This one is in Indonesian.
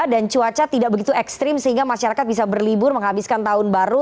dan cuaca tidak begitu ekstrim sehingga masyarakat bisa berlibur menghabiskan tahun baru